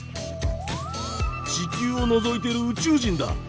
地球をのぞいてる宇宙人だ！